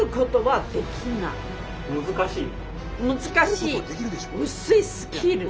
難しい？